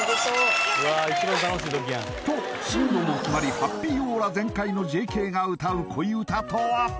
と進路も決まりハッピーオーラ全開のＪＫが歌う恋うたとは？